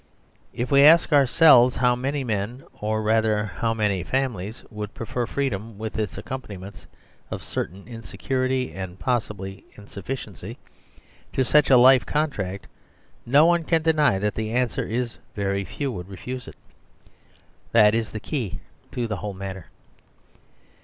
If we ask ourselves how many men, or rather how manyfamilies, would prefer freedom(with its accompanimentsof certain insecurity and possible insufficiency) to such a life contract, no one can deny that the answer is :" Very few would refuse it." That is the key to the whole matter.